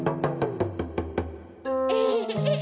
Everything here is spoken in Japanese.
エヘヘヘヘ。